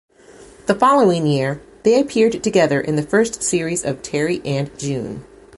The following year, they appeared together in the first series of "Terry and June".